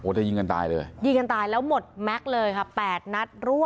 โอ้แต่ยิงกันตายเลยยิงกันตายแล้วหมดแม็กซ์เลยค่ะ